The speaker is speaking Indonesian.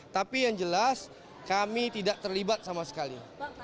tapi yang jelas kami tidak terlibat sama sekali